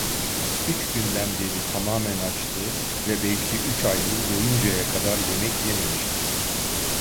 Üç günden beri tamamen açtı ve belki üç aydır doyuncaya kadar yemek yememişti.